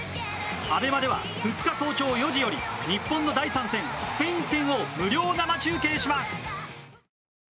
ＡＢＥＭＡでは２日早朝４時より日本の第３戦スペイン戦を無料生中継します。